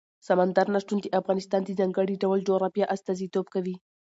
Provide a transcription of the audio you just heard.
سمندر نه شتون د افغانستان د ځانګړي ډول جغرافیه استازیتوب کوي.